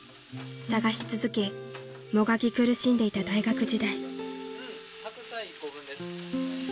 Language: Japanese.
［探し続けもがき苦しんでいた大学時代］